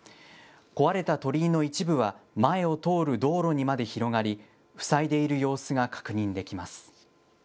壊れた鳥居の一部は、前を通る道路にまで広がり、塞いでいる様子が確認できます。